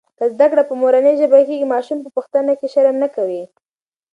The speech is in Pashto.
که زده کړه په مورنۍ ژبه کېږي، ماشوم په پوښتنه کې شرم نه کوي.